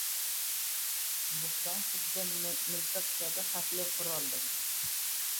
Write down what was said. Bo‘hton xuddi miltiq kabi xavfli quroldir.